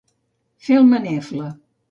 Fer el manefla.